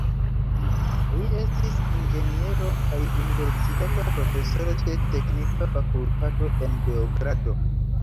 Li estis inĝeniero, kaj universitata profesoro ĉe teknika fakultato en Beogrado.